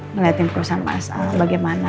ngeliatin perusahaan masal bagaimana